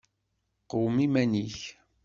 Qwem iman-ik.